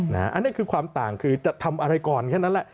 อันนี้คือความต่างคือจะทำอะไรก่อนแค่นั้นแหละ